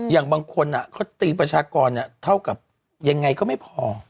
อย่างบางคนเขาตีประชากรเท่ากับยังไงก็ไม่พอ